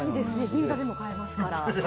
銀座でも買えますから。